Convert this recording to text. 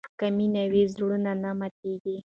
که مینه وي، زړونه نه ماتېږي.